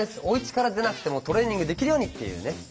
おうちから出なくてもトレーニングできるようにっていうね